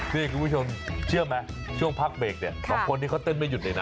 นี่คุณผู้ชมเชื่อไหมช่วงพักเบรกเนี่ยสองคนนี้เขาเต้นไม่หยุดเลยนะ